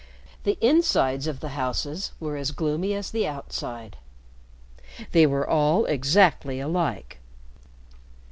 The insides of the houses were as gloomy as the outside. They were all exactly alike.